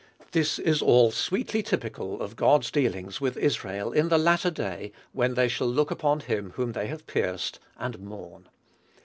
"This is all sweetly typical of God's dealings with Israel, in the latter day, when they shall look upon him whom they have pierced, and mourn."